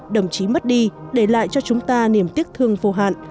đồng chí mất đi để lại cho chúng ta niềm tiếc thương vô hạn